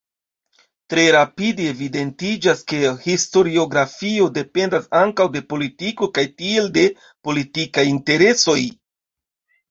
Tre rapide evidentiĝas, ke historiografio dependas ankaŭ de politiko kaj tiel de politikaj interesoj.